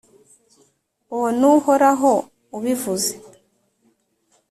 Uwo ni Uhoraho ubivuze.